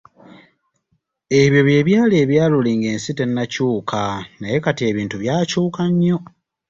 "Ebyo bye byali ebya luli nga ensi tennakyuka, naye kati ebintu byakyuka nnyo."